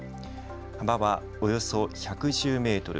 幅はおよそ１１０メートル。